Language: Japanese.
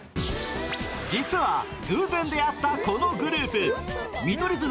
実は偶然出会ったこのグループ。